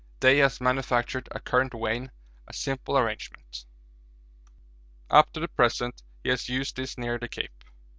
Day has manufactured a current vane, a simple arrangement: up to the present he has used this near the Cape.